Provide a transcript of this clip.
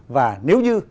và nếu như